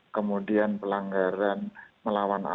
kemudian pelanggaran melawan alam